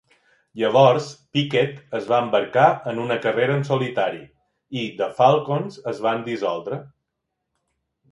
Llavors Pickett es va embarcar en una carrera en solitari i The Falcons es van dissoldre.